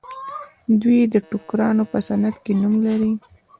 دوی د ټوکرانو په صنعت کې نوم لري.